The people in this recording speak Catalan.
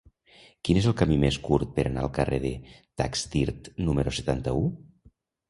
Quin és el camí més curt per anar al carrer de Taxdirt número setanta-u?